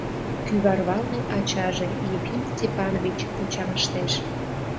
Кӱварвалне ачаже, Ефим Степанович, почаҥыштеш.